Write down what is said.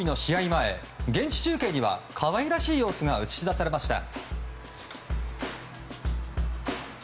前、現地中継には可愛らしい様子が映し出されました。